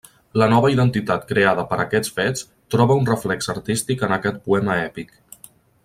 La nova identitat creada per aquests fets troba un reflex artístic en aquest poema èpic.